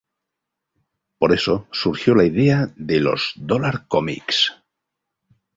Por eso surgió la idea de los "Dollar Comics".